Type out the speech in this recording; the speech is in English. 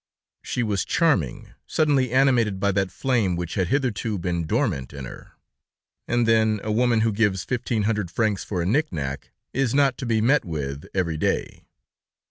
She was charming, suddenly animated by that flame which had hitherto been dormant in her. And then, a woman who gives fifteen hundred francs for a knick knack is not to be met with every day.